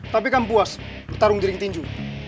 tapi kamu puas bertarung jaring tinju